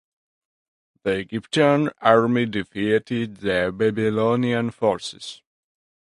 The Egyptian army defeated the Babylonian forces.